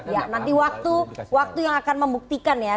ya nanti waktu yang akan membuktikan ya